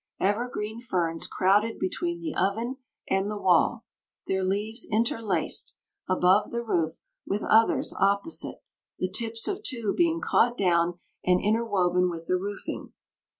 Evergreen ferns crowded between the "oven" and the wall, their leaves interlaced, above the roof, with others opposite, the tips of two being caught down and interwoven with the roofing.